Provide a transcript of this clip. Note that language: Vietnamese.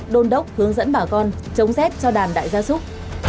đôn đốc hướng dẫn bà con chống xét cho đàn đại da súc